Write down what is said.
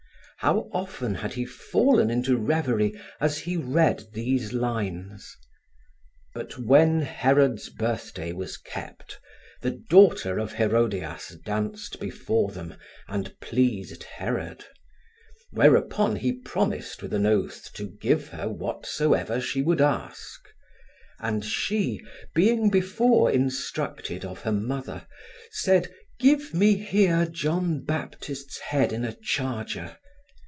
How often had he fallen into revery, as he read these lines: But when Herod's birthday was kept, the daughter of Herodias danced before them, and pleased Herod. Whereupon he promised with an oath to give her whatsoever she would ask. And she, being before instructed of her mother, said: Give me here John Baptist's head in a charger.